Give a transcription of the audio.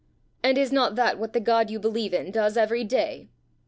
"And is not that what the God you believe in does every day?"